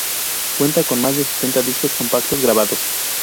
Cuenta con más de setenta discos compactos grabados.